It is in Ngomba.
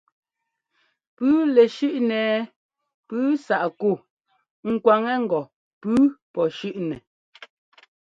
Pʉ́ʉ lɛ́ shʉ́ꞌnɛ ɛɛ pʉ́ʉ sáꞌ kú ŋ kwaŋɛ ŋgɔ pʉ́ʉ pɔ́ shʉ́ꞌnɛ.